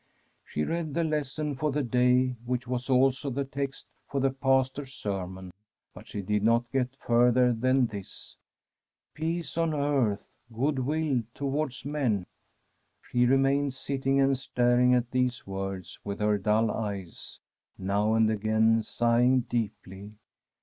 She read the lesson for the day, which was also the text for the Pastor's sermon ; but she did not get further than this :' Peace on earthy goodwill towards men/ She remained sit ting and staring at these words with her dull eyes, now and again sighing deeply.